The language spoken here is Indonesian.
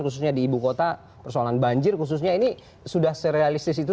khususnya di ibu kota persoalan banjir khususnya ini sudah serealistis itu